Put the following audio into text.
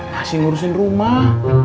masih ngurusin rumah